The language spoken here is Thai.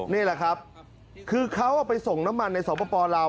นี่แหละครับคือเขาเอาไปส่งน้ำมันในสปลาว